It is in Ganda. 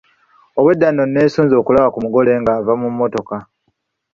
Obwedda nno neesunze okulaba ku mugole ng'ava mu mmotoka.